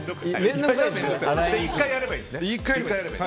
１回やればいいんですね。